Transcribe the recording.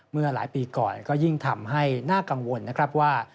เมื่อหลายปีก่อนก็ยิ่งทำให้น่ากังวลนะครับว่า